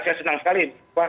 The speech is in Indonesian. saya senang sekali